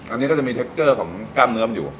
อันนี้ก็จะมีเทคเกอร์ของกล้ามเนื้อมันอยู่